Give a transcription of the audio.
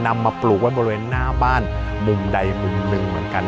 นำมาปลูกไว้บริเวณหน้าบ้านมุมใดมุมหนึ่งเหมือนกัน